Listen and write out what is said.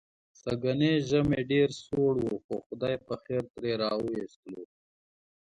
سږنی ژمی ډېر سوړ و، خو خدای پخېر ترې را و ایستلو.